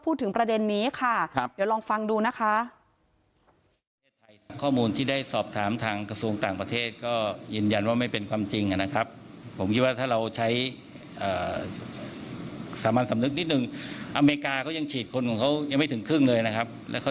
พูดถึงประเด็นนี้ค่ะเดี๋ยวลองฟังดูนะคะ